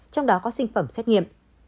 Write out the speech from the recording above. trong đó có sinh phẩm xét nghiệm